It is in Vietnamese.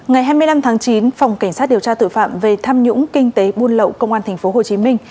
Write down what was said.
ngày hai mươi năm tháng chín phòng cảnh sát điều tra tự phạm về tham nhũng kinh tế buôn lậu công an tp hcm